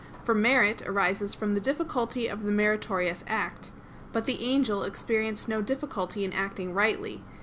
For merit arises from the difficulty of the meritorious act. But the angel experienced no difficulty in acting rightly.